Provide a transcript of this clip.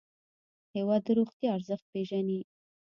هېواد د روغتیا ارزښت پېژني.